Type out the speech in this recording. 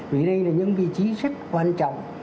vì đây là những vị trí rất quan trọng